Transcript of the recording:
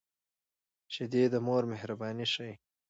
شیدې د مور مهرباني ښيي